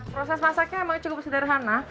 proses masaknya memang cukup sederhana